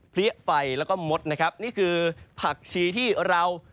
ไฟแล้วก็มดนะครับนี่คือผักชีที่เรา